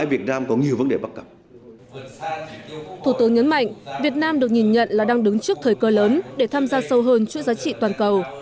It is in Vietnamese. vì vậy việt nam được nhìn nhận là đang đứng trước thời cơ lớn để tham gia sâu hơn chuỗi giá trị toàn cầu